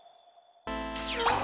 みんな